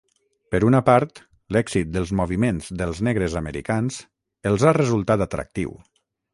Per una part, l'èxit dels moviments dels negres americans els ha resultat atractiu.